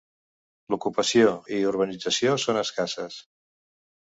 L'ocupació i urbanització són escasses.